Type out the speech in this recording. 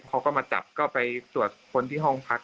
เขาก็มาจับก็ไปตรวจคนที่ห้องพัก